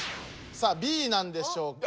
さあＢなんでしょうか？